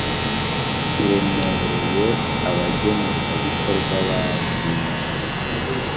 kiremereye abagenerwabikorwa ba vup